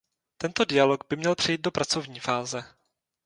Tento dialog by měl přejít do pracovní fáze.